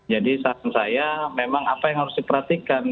jadi saat saya memang apa yang harus diperhatikan